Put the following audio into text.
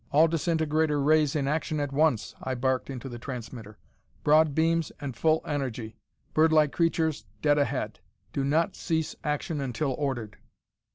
"All disintegrator rays in action at once!" I barked into the transmitter. "Broad beams, and full energy. Bird like creatures, dead ahead; do not cease action until ordered!"